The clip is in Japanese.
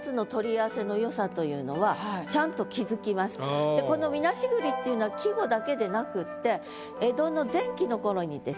ここさえなければこの「虚栗」っていうのは季語だけでなくって江戸の前期の頃にですね